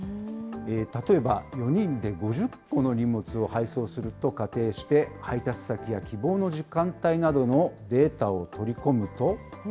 例えば、４人で５０個の荷物を配送すると仮定して、配達先や希望の時間帯などのデータを取り込むと。